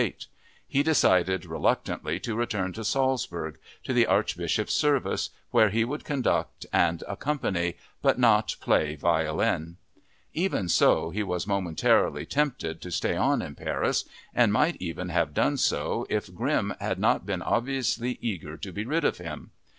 He decided reluctantly to return to Salzburg, to the Archbishop's service, where he would conduct and accompany, but not play violin. Even so, he was momentarily tempted to stay on in Paris and might even have done so if Grimm had not been obviously eager to be rid of him.